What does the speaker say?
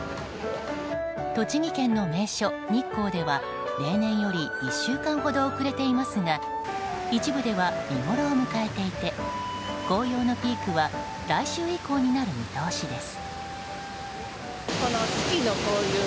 栃木県の名所・日光では例年より１週間ほど遅れていますが一部では見ごろを迎えていて紅葉のピークは来週以降になる見通しです。